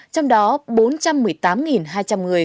trong đó bốn trăm một mươi tám hai trăm linh người